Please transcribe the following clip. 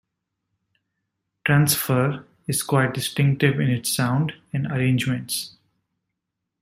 "Trancefer" is quite distinctive in its sound and arrangements.